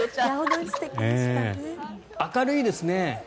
明るいですね。